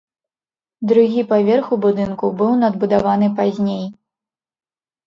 Другі паверх у будынку быў надбудаваны пазней.